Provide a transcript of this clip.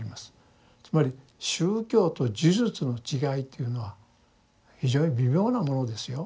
つまり宗教と呪術の違いというのは非常に微妙なものですよ。